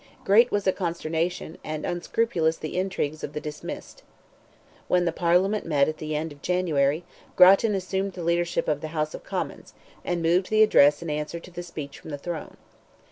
Great was the consternation, and unscrupulous the intrigues of the dismissed. When the Parliament met at the end of January, Grattan assumed the leadership of the House of Commons, and moved the address in answer to the speech from the throne.